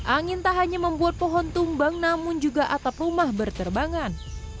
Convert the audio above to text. angin tak hanya membuat pohon tumbang namun juga atap rumah berterbangan